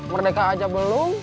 merdeka aja belum